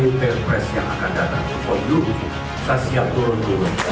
dipres yang akan datang ke koyung sasih yang turun gunung